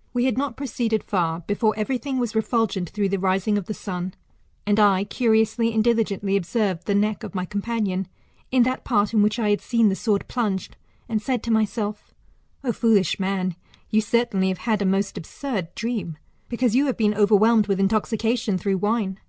'* We had not proceeded far, before everything was refulgent through the rising of the sun ; and I curiously and diligently observed the neck of my companion, in that part in which I had seen the sword plunged, and said to myself, O foolish man, you certainly have had a most absurd dream beciuse you have been overwhelmed with intoxication through wine.